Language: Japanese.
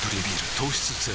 糖質ゼロ